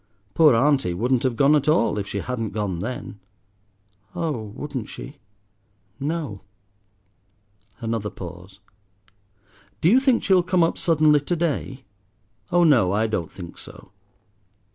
Poor auntie wouldn't have gone at all if she hadn't gone then." "Oh, wouldn't she?" "No." Another pause. "Do you think she'll come up suddenly to day?" "Oh no, I don't think so."